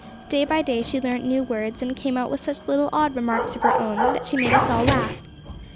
Day by day she learnt new words, and came out with such odd little remarks of her own, that she made us all laugh.